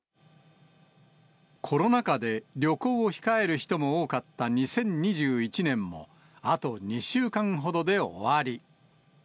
コロナ禍で旅行を控える人も多かった２０２１年も、あと２週間ほどで終わり。